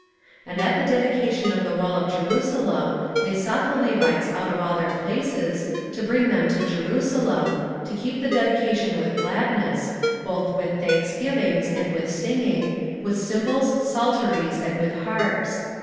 16:012:027 And at the dedication of the wall of Jerusalem they sought the Levites out of all their places, to bring them to Jerusalem, to keep the dedication with gladness, both with thanksgivings, and with singing, with cymbals, psalteries, and with harps.